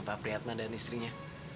pak prihatma dan istrinya